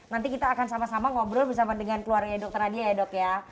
nanti kita akan sama sama ngobrol bersama dengan keluarga dokter nadia ya dok ya